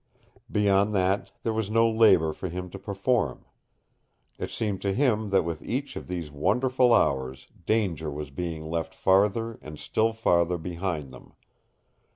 Beyond that there was no labor for him to perform. It seemed to him that with each of these wonderful hours danger was being left farther and still farther behind them.